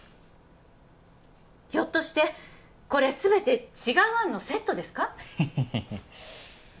ひょっとしてこれ全て違うあんのセットですか？